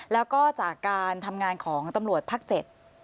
แล้วก็จากการทำงานของตำรวจภาค๗